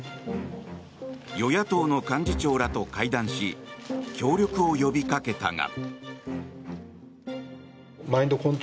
与野党の幹事長らと会談し協力を呼びかけたが。